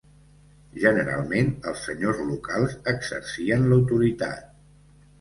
Generalment els senyors locals exercien l'autoritat.